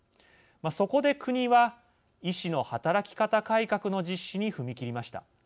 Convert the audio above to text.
そこで国は医師の働き方改革の実施に踏み切りました。